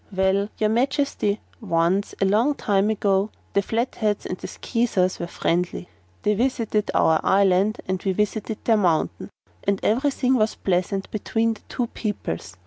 "Well, your Majesty, once a long time ago the Flatheads and the Skeezers were friendly. They visited our island and we visited their mountain, and everything was pleasant between the two peoples.